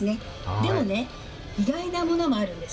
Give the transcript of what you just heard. でもね、意外なものもあるんです